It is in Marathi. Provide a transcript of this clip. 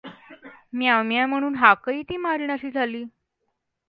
म्यांव म्यांव म्हणून हाकही ती मारीनाशी झाली.